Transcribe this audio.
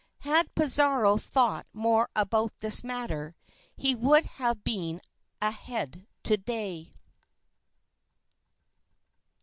Had Pizarro thought more about this matter, he would have been ahead to day.